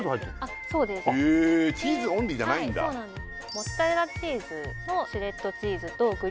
あっそうですチーズオンリーじゃないんだはいそうなんです